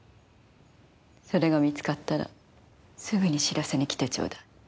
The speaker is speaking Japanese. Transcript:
それが見つかったらすぐに知らせに来てちょうだい。